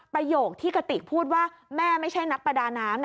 ประโยคที่กติกพูดว่าแม่ไม่ใช่นักประดาน้ำ